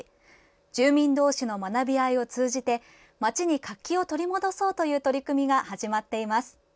住民同士の学び合いを通じて町に活気を取り戻そうという取り組みが始まっています。